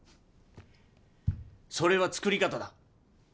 それは造り方だ。